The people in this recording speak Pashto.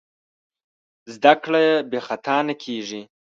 زدهکړه بېخطا نه کېږي.